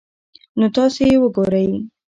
نو تاسي ئې وګورئ